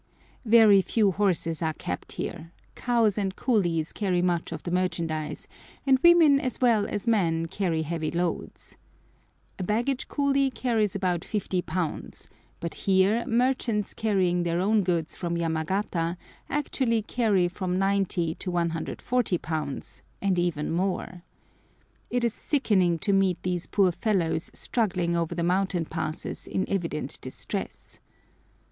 Very few horses are kept here. Cows and coolies carry much of the merchandise, and women as well as men carry heavy loads. A baggage coolie carries about 50 lbs., but here merchants carrying their own goods from Yamagata actually carry from 90 to 140 lbs., and even more. It is sickening to meet these poor fellows struggling over the mountain passes in evident distress.